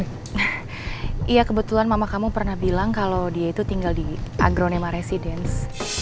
iya kebetulan mama kamu pernah bilang kalau dia itu tinggal di agronema residence